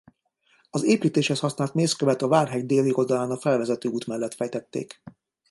Az építéshez használt mészkövet a várhegy déli oldalán a felvezető út mellett fejtették.